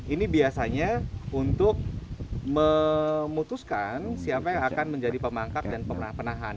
ini biasanya untuk memutuskan siapa yang akan menjadi pemangkak dan penahan